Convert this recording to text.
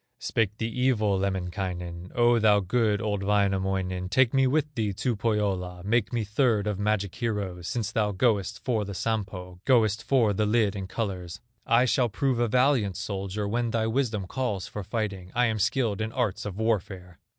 Spake the evil Lemminkainen: "O, thou good, old Wainamoinen, Take me with thee to Pohyola, Make me third of magic heroes, Since thou goest for the Sampo, Goest for the lid in colors; I shall prove a valiant soldier, When thy wisdom calls for fighting; I am skilled in arts of warfare!"